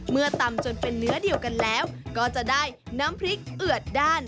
เมื่อตำจนเป็นเนื้อเดียวกันแล้วก็จะได้น้ำพริกเอือดด้าน